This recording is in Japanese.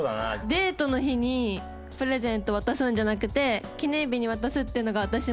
デートの日にプレゼント渡すんじゃなくて記念日に渡すっていうのが私も嫌で。